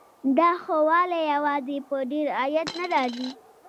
دا ښه والی یوازې په ډېر عاید نه راځي.